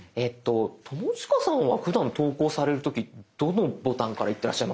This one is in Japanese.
友近さんはふだん投稿される時どのボタンからいってらっしゃいますか？